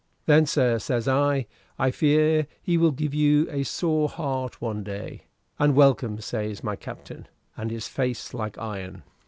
'Then, sir,' says I, 'I fear he will give you a sore heart one day.' 'And welcome,' says my Captain, and his face like iron."